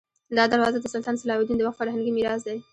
دا دروازه د سلطان صلاح الدین د وخت فرهنګي میراث دی.